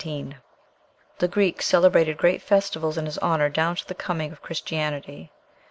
The Greeks celebrated great festivals in his honor down to the coming of Christianity.